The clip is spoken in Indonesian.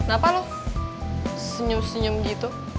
kenapa lo senyum senyum gitu